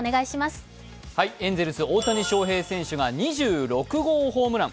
エンゼルス、大谷翔平選手が２６号ホームラン。